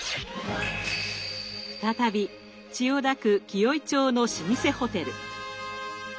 再び千代田区紀尾井町の老舗ホテル。